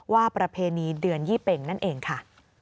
ประเพณีเดือนยี่เป็งนั่นเองค่ะ